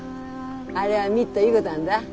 あれは見っといいごどあんだ。